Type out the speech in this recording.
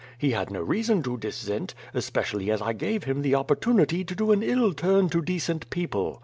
He had no reason to dissent, especially as 1 gave him the opportunity to do an ill turn to decent people.